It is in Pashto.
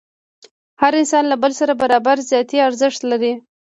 هر انسان له بل سره برابر ذاتي ارزښت لري.